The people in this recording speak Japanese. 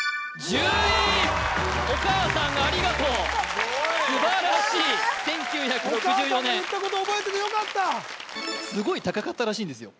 お母さんありがとう素晴らしい１９６４年お母さんの言ったこと覚えててよかったすごい高かったらしいんですよ